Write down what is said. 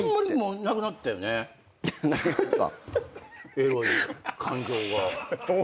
エロい感情が。